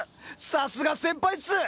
さすが先輩っす！